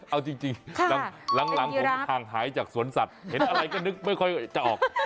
เอาจริงหลังผมห่างหายจากสวนสัตว์เห็นอะไรก็นึกไม่ค่อยจะออก